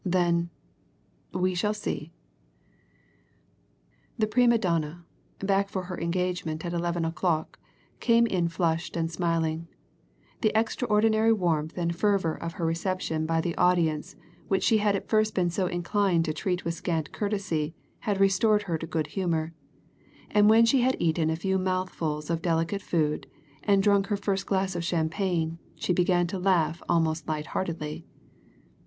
Then we shall see." The prima donna, back for her engagement at eleven o'clock, came in flushed and smiling the extraordinary warmth and fervour of her reception by the audience which she had at first been so inclined to treat with scant courtesy had restored her to good humour, and when she had eaten a few mouthfuls of delicate food and drunk her first glass of champagne she began to laugh almost light heartedly.